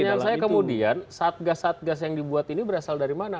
pertanyaan saya kemudian satgas satgas yang dibuat ini berasal dari mana